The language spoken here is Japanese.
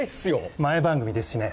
前番組ですしね